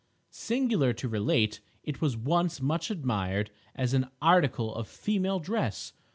Singular to relate, it was once much admired as an article of female dress!